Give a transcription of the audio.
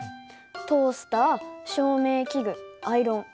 トースター照明器具アイロン。